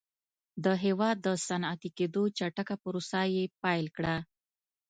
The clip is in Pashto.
د هېواد د صنعتي کېدو چټکه پروسه یې پیل کړه